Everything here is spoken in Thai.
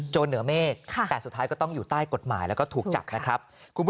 เหนือเมฆแต่สุดท้ายก็ต้องอยู่ใต้กฎหมายแล้วก็ถูกจับนะครับ